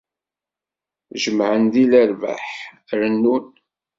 Jemmɛen di lerbaḥ rennun.